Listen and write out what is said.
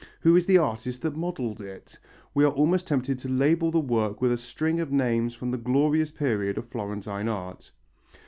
Who is the artist that modelled it? We are almost tempted to label the work with a string of names from the glorious period of Florentine art."